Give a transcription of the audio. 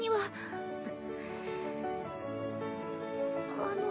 あの。